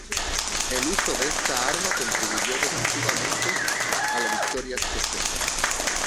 El uso de esta arma contribuyó decisivamente a la victoria escocesa.